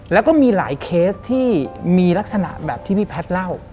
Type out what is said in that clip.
แล้วก็มีหลายเคสที่มีลักษณะแบบที่พี่แพทย์เล่า